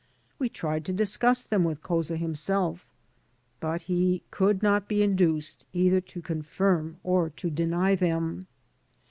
We tried to discuss them with Couza himself, but he could not be induced either to confirm or to deny them.